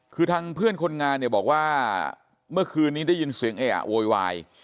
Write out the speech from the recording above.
คือทางเพื่อนคนงานเนี่ยบอกว่าเมื่อคืนนี้ได้ยินเสียงเออะโวยวาย